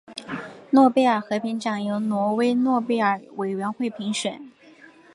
诺贝尔和平奖由挪威诺贝尔委员会评选。